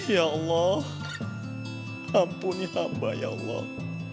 ya allah ampuni hamba ya allah